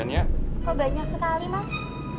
kok banyak sekali mas